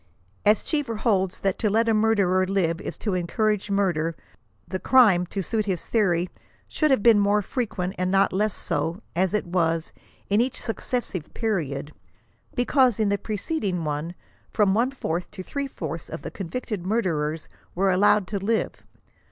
As Cheever holds that to let a murderer live is to encourage murder, the crime — to suit his theory ^ should have been more frequent, and not less so, as it was, in each successive period ; because in the preceding one, from one fourth to three fourths of the convicted murderers were allowed to live.